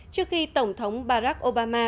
trước khi tổng thống barack obama